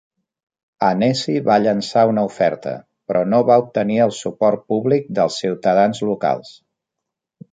Annecy va llançar una oferta, però no va obtenir el suport públic dels ciutadans locals.